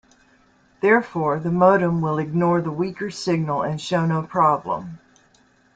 Therefore, the modem will ignore the weaker signal and show no problem.